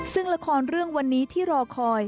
ซึ่งละครเรื่องวันนี้ที่รอคอย